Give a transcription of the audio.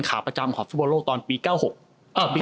ขาประจำของฟุตบอลโลกตอนปี๙๖